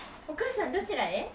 お母さんどちらへ？